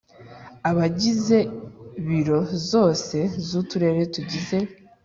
Abagize Biro zose z Uturere tugize